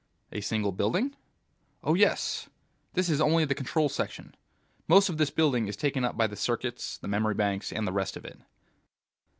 "A single building?" "Oh yes; this is only the control section. Most of this building is taken up by the circuits, the memory banks, and the rest of it."